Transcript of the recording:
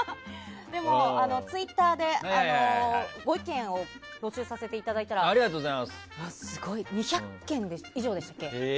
でも、ツイッターでご意見を募集させていただいたらすごい２００件以上でしたっけ。